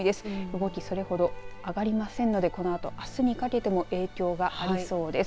動き、それほど上がりませんのでこのあと、あすにかけても影響がありそうです。